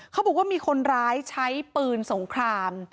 เขาบอกว่ามีคนร้ายใช้ปืนสงคราม